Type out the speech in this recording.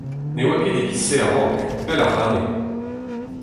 Ne oa ket e-giz-se a-raok, pell ac'hane !